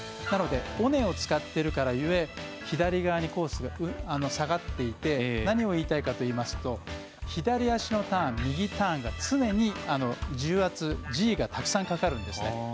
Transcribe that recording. なので、尾根を使っているが故左側にコースが下がっていて何が言いたいかといいますと左足のターン、右ターンが常に重圧、Ｇがたくさんかかるんです。